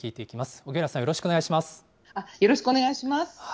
荻原さんよろしくお願いします。